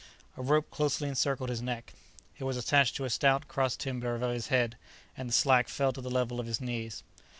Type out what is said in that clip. A rope closely encircled his neck. It was attached to a stout cross timber above his head and the slack fell to the level of his knees.